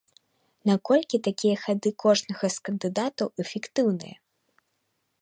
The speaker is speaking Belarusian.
Наколькі такія хады кожнага з кандыдатаў эфектыўныя?